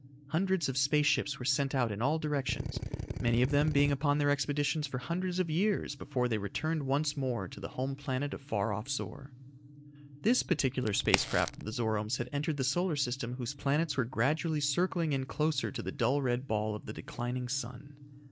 Hundreds of space ships were sent out in all directions, many of them being upon their expeditions for hundreds of years before they returned once more to the home planet of far off Zor. This particular space craft of the Zoromes had entered the solar system whose planets were gradually circling in closer to the dull red ball of the declining sun.